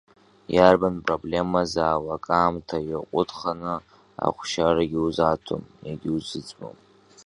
Иарбан проблемазаалак аамҭа иаҟәыҭханы ахәшьарагьы узаҭом, иагьузыӡбом.